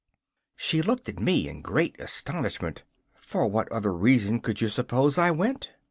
She looked at me in great astonishment. 'For what other reason could you suppose I went?